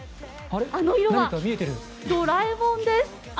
あの色はドラえもんです。